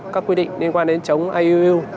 các quy định liên quan đến chống iuu